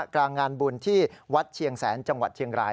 กลางงานบุญที่วัดเชียงแสนจังหวัดเชียงราย